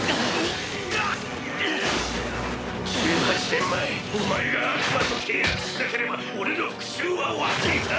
１８年前お前が悪魔と契約しなければ俺の復讐は終わっていた！